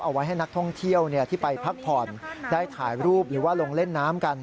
เอาไว้ให้นักท่องเที่ยวที่ไปพักผ่อนได้ถ่ายรูปหรือว่าลงเล่นน้ำกัน